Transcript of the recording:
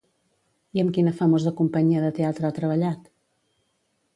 I amb quina famosa companyia de teatre ha treballat?